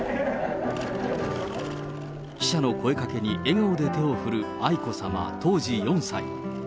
記者の声かけに笑顔で手を振る愛子さま、当時４歳。